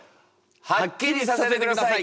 はっきりさせてください！